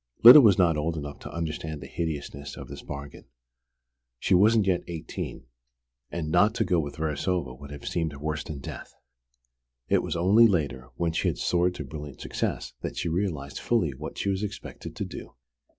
Lyda was not old enough to understand the hideousness of this bargain. She wasn't yet eighteen; and not to go with Verasova would have seemed worse than death. It was only later, when she had soared to brilliant success, that she realized fully what she was expected to do.